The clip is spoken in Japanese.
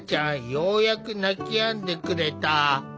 ようやく泣きやんでくれた。